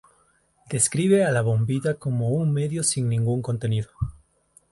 Describe a la bombilla como un medio sin ningún contenido.